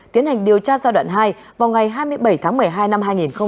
tiến hành điều tra do đận hai vào ngày hai mươi bảy tháng một mươi hai năm hai nghìn hai mươi ba